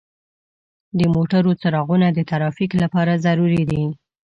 د موټرو څراغونه د ترافیک لپاره ضروري دي.